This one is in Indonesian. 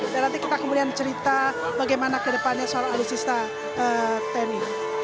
dan nanti kita kemudian cerita bagaimana kedepannya soal alisista tni